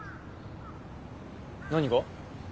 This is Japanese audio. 何が？